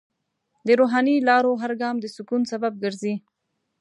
د روحاني لارو هر ګام د سکون سبب ګرځي.